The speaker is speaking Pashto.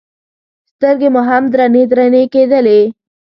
سترګې مو هم درنې درنې کېدلې.